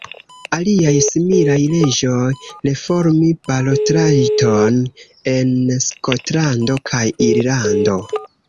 Aliaj similaj leĝoj reformis balotrajton en Skotlando kaj Irlando.